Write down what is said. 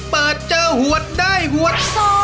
เปิดเจอหวดได้หวด๒